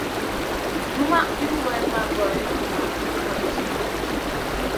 Numaʼ vi way maʼ goy ga kat tina.